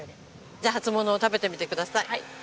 じゃあ初物を食べてみてください。